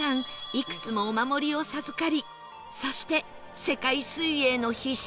いくつもお守りを授かりそして世界水泳の必勝祈願